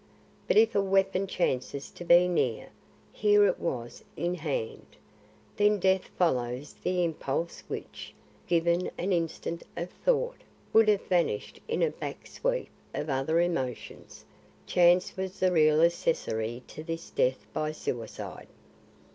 But if a weapon chances to be near (here it was in hand) then death follows the impulse which, given an instant of thought, would have vanished in a back sweep of other emotions. Chance was the real accessory to this death by suicide.